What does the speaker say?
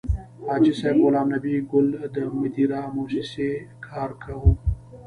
حاجي صیب غلام نبي ګل د مدیرا موسسې سره کار کاوه.